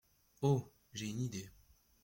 Oh ! j’ai une idée.